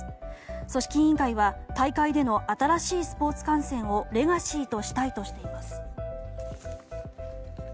組織委員会は大会での新しいスポーツ観戦をレガシーとしたいとしています。